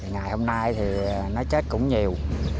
ngày hôm nay thì nó chết cũng nhiều